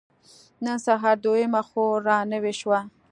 نن سهار دويمه خور را نوې شوه.